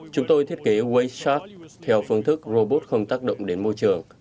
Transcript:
chúng tôi thiết kế wattart theo phương thức robot không tác động đến môi trường